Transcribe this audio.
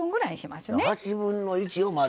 ８分の１をまず。